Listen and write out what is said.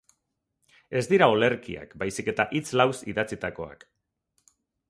Ez dira olerkiak, baizik eta hitz lauz idatzitakoak.